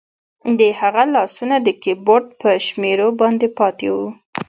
د هغه لاسونه د کیبورډ په شمیرو باندې پاتې وو